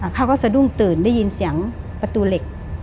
เขาก็สะดุ้งตื่นได้ยินเสียงประตูเหล็ก